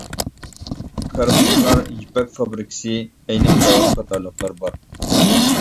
كارخانىلار يىپەك فابرىكىسى، ئەينەك زاۋۇتى قاتارلىقلار بار.